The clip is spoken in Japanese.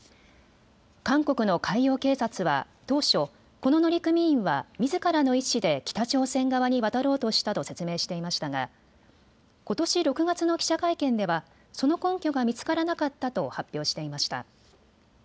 韓国の海洋警察は当初この乗組員はみずからの意思で北朝鮮側に渡ろうとしたと説明していましたがことし６月の記者会見ではその根拠が見つからなかったと発表していました。